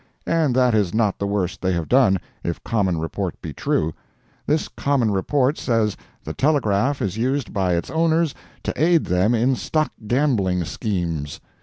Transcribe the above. And that is not the worst they have done, if common report be true. This common report says the telegraph is used by its owners to aid them in stock gambling schemes.